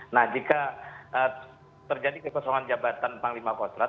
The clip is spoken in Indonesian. nah jika terjadi kekosongan jabatan panglima kostrat